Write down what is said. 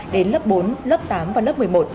đến lớp bốn lớp tám và lớp một mươi một